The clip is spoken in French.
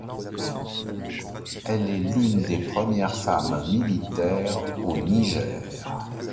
Elle est l'une des premières femmes militaires au Niger.